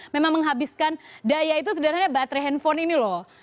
memang menghabiskan daya itu sederhananya baterai handphone ini loh